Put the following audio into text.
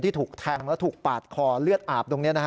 ที่ถูกแทงแล้วถูกปาดคอเลือดอาบตรงนี้นะครับ